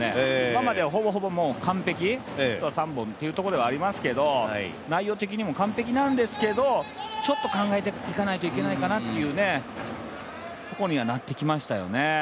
今までは、ほぼほぼ完璧にヒット３本というところではありますけど、内容的には完璧なんですけど、ちょっと考えていかないといけないかなっていうとこにはなってきましたよね。